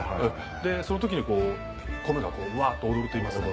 その時にコメがワっとおどるといいますか。